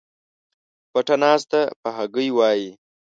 پټه ناسته په هګۍ وای